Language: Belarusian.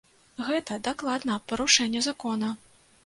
Гэта дакладна парушэнне закона!